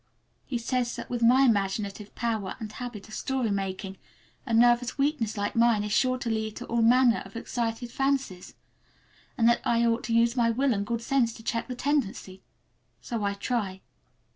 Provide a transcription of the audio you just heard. He says that with my imaginative power and habit of story making a nervous weakness like mine is sure to lead to all manner of excited fancies, and that I ought to use my will and good sense to check the tendency. So I try.